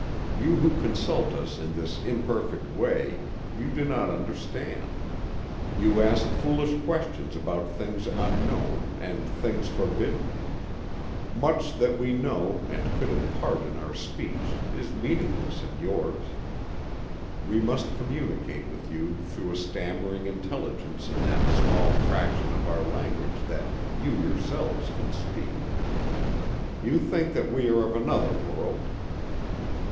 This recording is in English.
You who consult us in this imperfect way—you do not understand. You ask foolish questions about things unknown and things forbidden. Much that we know and could impart in our speech is meaningless in yours. We must communicate with you through a stammering intelligence in that small fraction of our language that you yourselves can speak. You think that we are of another world.